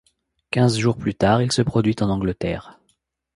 Quinze jours plus tard, il se produit en Angleterre.